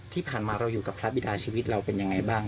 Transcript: ที่ผ่านมาเราอยู่กับพระบิดาชีวิตเราเป็นยังไงบ้าง